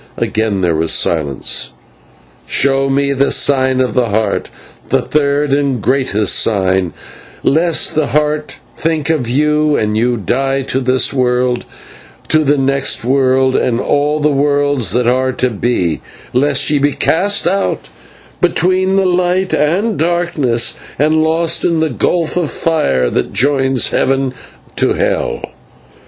Again there was silence. "Show me the sign of the Heart, the third and greatest sign, lest the Heart think on you, and ye die to this world, to the next world, and all the worlds that are to be; lest ye be cast out between the Light and Darkness, and lost in the gulf of fire that joins Heaven to Hell."